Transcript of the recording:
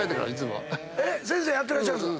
先生やってらっしゃるんですか。